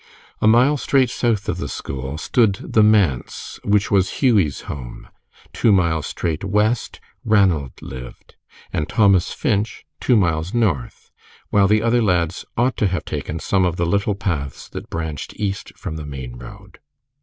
A mile straight south of the school stood the manse, which was Hughie's home; two miles straight west Ranald lived; and Thomas Finch two miles north; while the other lads ought to have taken some of the little paths that branched east from the main road.